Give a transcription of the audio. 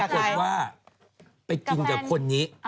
ปรากฏว่าไปกินกับคนนี้